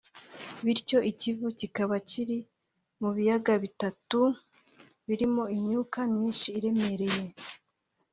bityo i Kivu kikaba kiri mu biyaga bitatu birimo imyuka myinshi iremereye